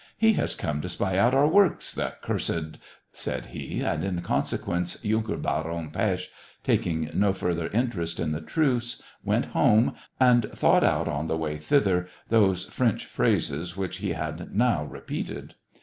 "He has come to spy out our works, the cursed ..." said he ; and, in consequence, Yunker Baron Pesth, tak ing no further interest in the truce, went home, and thought out on the way thither those French phrases, which he had now re peated.